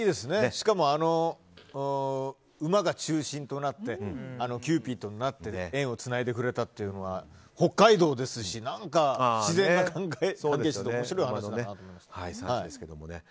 しかも馬が中心となってキューピッドとなって縁をつないでくれたというのは北海道ですし、何か自然が関係していて面白い話だなと。